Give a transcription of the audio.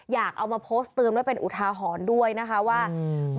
อยากเอามาโพสต์เตือนไว้เป็นอุทาหรณ์ด้วยนะคะว่าอืม